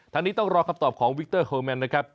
นี้ต้องรอคำตอบของวิกเตอร์เอร์แมนนะครับ